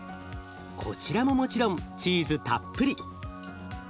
こちらももちろんチーズたっぷり。